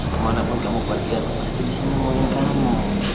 kemana pun kamu pergi aku pasti bisa nemuin kamu